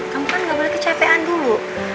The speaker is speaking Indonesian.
kamu kan gak boleh kecepean dulu